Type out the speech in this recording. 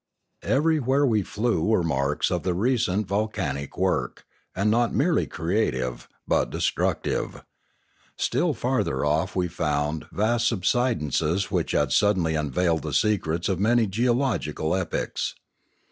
Everywhere we flew were marks of the recent vol canic work; and not merely creative, but destructive. Still farther off we found vast subsidences which had suddenly unveiled the secrets of many geological epochs.